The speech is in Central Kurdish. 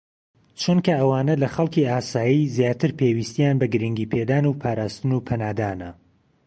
چونکە ئەوانە لە خەڵکی ئاسایی زیاتر پێویستیان بە گرنگیپێدان و پاراستن و پەنادانە